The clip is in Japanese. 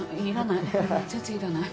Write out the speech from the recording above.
いらない。